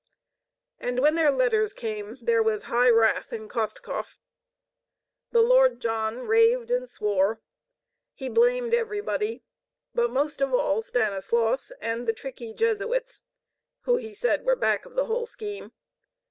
And when their letters came, there was high wrath in Kostkov. The Lord John raved and swore. He blamed everybody, but most of all Stanislaus and the tricky Jesuits who, he said, were back of the whole scheme.